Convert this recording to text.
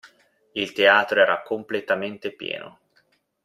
Il teatro era completamente pieno!